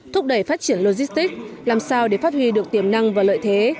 thúc đẩy phát triển logistics làm sao để phát huy được tiềm năng và lợi thế